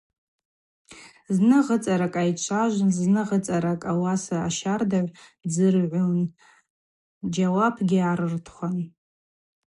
Зны гъыцӏаракӏ айчважвун, зны гъыцӏаракӏ, ауаса ащардагӏв дзыргӏвуан, джьауапгьи артхуан.